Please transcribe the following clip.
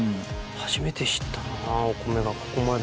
初めて知ったな。